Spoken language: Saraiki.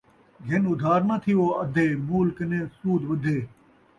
گھن ادھار ناں تھیوو ادھے ، مول کنے سود ودھے